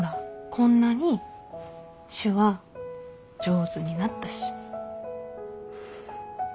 こんなに手話上手になったし。